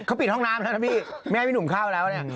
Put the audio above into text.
เขาปิดห้องน้ำแล้วนะพี่ไม่ให้พี่หนุ่มเข้าแล้วเนี่ย